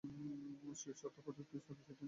Swiss তথ্য প্রযুক্তি service এটি নিয়ন্ত্রণ করে।